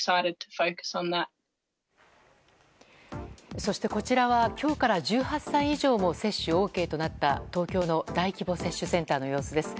そして、こちらは今日から１８歳以上も接種ＯＫとなった東京の大規模接種センターの様子です。